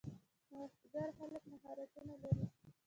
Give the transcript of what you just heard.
نوښتګر خلک مهارتونه لري.